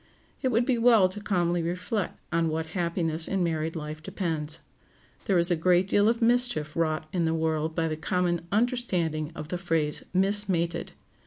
It would be well to calmly reflect on what happiness in married life depends. There is a great deal of mischief wrought in the world by the common understanding of the phrase "mismated."